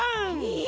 え！？